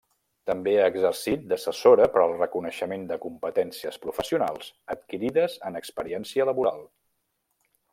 També ha exercit d'assessora per al reconeixement de competències professionals adquirides en experiència laboral.